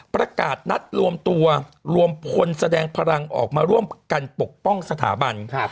ประกาศนัดรวมตัวรวมพลแสดงพลังออกมาร่วมกันปกป้องสถาบัน